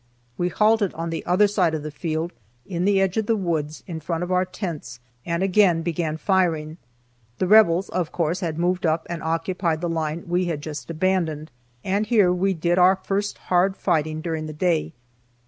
We halted on the other side of the field, in the edge of the woods, in front of our tents, and again began firing. The Rebels, of course, had moved up and occupied the line we had just abandoned. And here we did our first hard fighting during the day.